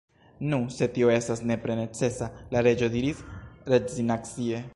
« Nu, se tio estas nepre necesa," la Reĝo diris rezignacie.